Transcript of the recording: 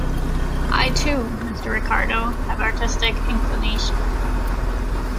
I, too, Mr. Ricardo, have artistic inclinations.